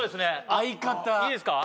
相方いいですか？